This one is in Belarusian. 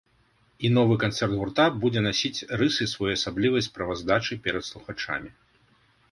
І новы канцэрт гурта будзе насіць рысы своеасаблівай справаздачы перад слухачамі.